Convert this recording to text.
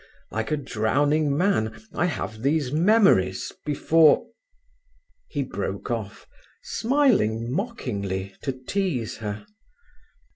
Like a drowning man, I have these memories before…." He broke off, smiling mockingly, to tease her.